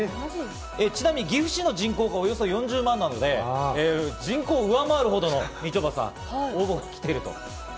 ちなみに岐阜市の人口がおよそ４０万なので、人口を上回るほどの、みちょぱさん、応募が来ていると。